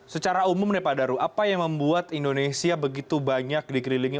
secara umum nih pak daru apa yang membuat indonesia begitu banyak dikelilingi